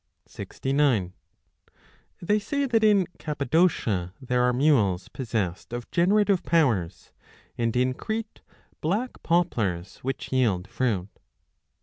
835 They say that in Cappadocia there are mules possessed 69 of generative powers, and in Crete black poplars which yield fruit.